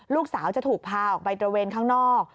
ลูกสาวจะถูกพาออกไปตระเวนข้างนอก